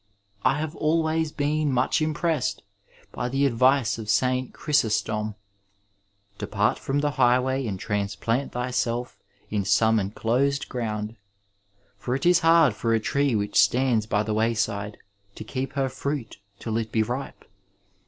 I have always been much impressed by the advice of St. CShrysostom :'* Depart from the highway and transplant thyself in some enclosed ground, for it is hard for a tree which stands by the wayside to keep her fruit till it be ripe."